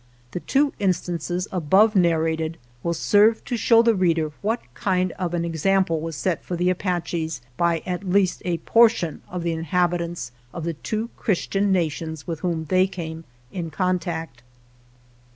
The two instances above narrated will serve to show the reader what kind of an example was set for the Apaches by at least a portion of the inhabitants of the two Christian na tions with whom they came in contact.